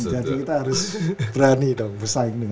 jadi kita harus berani dong bersaing